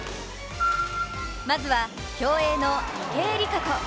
まずは競泳の池江璃花子。